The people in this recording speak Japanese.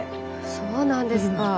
そうなんですか。